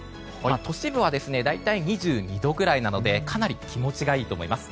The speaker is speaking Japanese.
都市部は大体２２度くらいなのでかなり気持ちがいいと思います。